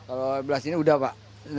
kalau sebelah sini udah pak